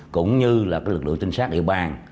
cũng như lực lượng tinh sát địa bàn